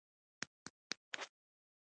ټیکټاک خلک هڅوي چې خپلې وړتیاوې نړۍ ته وښيي.